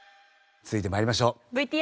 続いて参りましょう。